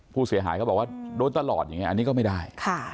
ผู้เสียหายเขาบอกว่าโดนตลอดอย่างนี้อันนี้ก็ไม่ได้